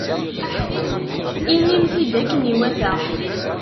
Inim-t-id akken iwata.